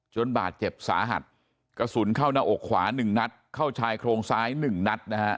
บาดเจ็บสาหัสกระสุนเข้าหน้าอกขวาหนึ่งนัดเข้าชายโครงซ้ายหนึ่งนัดนะฮะ